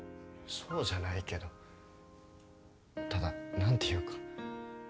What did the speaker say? そうじゃないけどただ何ていうか。